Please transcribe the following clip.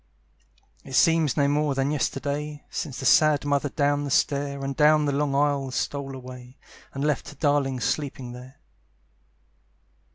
It seems no more than yesterday Since the sad mother down the stair And down the long aisle stole away, And left her darling sleeping there.